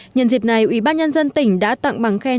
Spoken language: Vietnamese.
nhân dịp này ubnd tỉnh đã tặng bằng khen